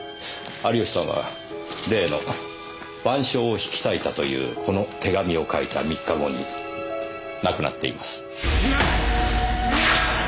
有吉さんは例の『晩鐘』を引き裂いたというこの手紙を書いた３日後に亡くなっています。